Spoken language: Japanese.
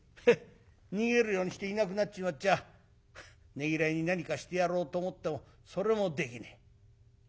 逃げるようにしていなくなっちまっちゃねぎらいに何かしてやろうと思ってもそれもできねえ。